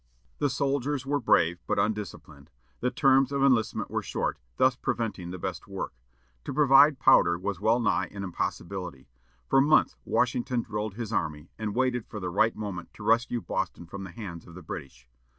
The soldiers were brave but undisciplined; the terms of enlistment were short, thus preventing the best work. To provide powder was well nigh an impossibility. For months Washington drilled his army, and waited for the right moment to rescue Boston from the hands of the British.